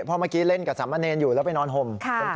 เพราะเมื่อกี้เล่นกับสามเณรอยู่แล้วไปนอนห่ม